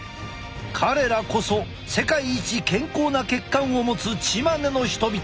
彼らこそ世界一健康な血管を持つチマネの人々。